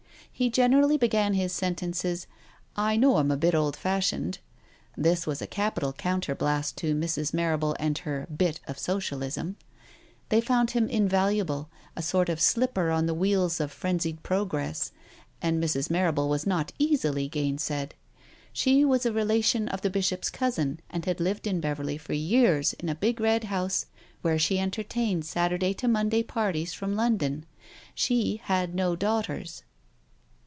He generally began his sentences :" I know I am a bit old fashioned." This was a capital counterblast to Mrs. Marrable and her "bit" of Socialism. They found him invaluable, a sort of slipper on the wheels of frenzied progress, and Mrs. Marrable was not easily gainsaid. She was a relation of the Bishop's cousin, and had lived in Beverley for years in a big red house where she entertained Saturday to Monday parties from London. She had no daughters.